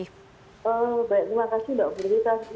baik terima kasih mbak ustaz